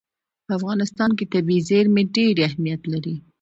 په افغانستان کې طبیعي زیرمې ډېر اهمیت لري.